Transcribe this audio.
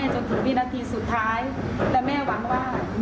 จนถึงวินาทีสุดท้ายแต่แม่หวังว่าหนูไม่ตายฟรีแน่นอน